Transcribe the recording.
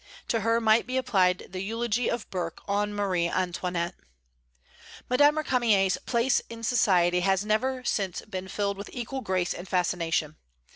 To her might be applied the eulogy of Burke on Marie Antoinette. Madame Récamier's place in society has never since been filled with equal grace and fascination.